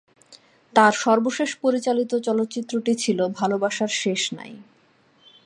তার সর্বশেষ পরিচালিত চলচ্চিত্রটি ছিল ভালোবাসার শেষ নাই।